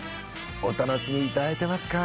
お楽しみいただいてますか。